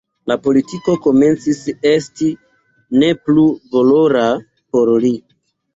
La politiko komencis esti ne plu valora por li.